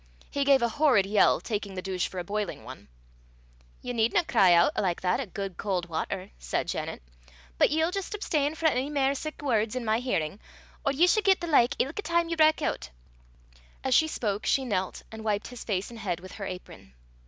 He gave a horrid yell taking the douche for a boiling one. "Ye needna cry oot like that at guid caul' watter," said Janet. "But ye'll jist absteen frae ony mair sic words i' my hearin', or ye s' get the like ilka time ye brak oot." As she spoke, she knelt, and wiped his face and head with her apron.